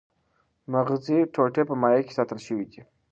مغزي ټوټې په مایع کې ساتل شوې دي.